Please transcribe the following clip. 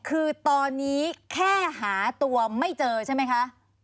คือตอนนี้แค่หาตัวไม่เจอใช่ไหมคะ